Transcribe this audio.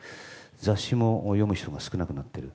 雑誌を読む人も少なくなっている。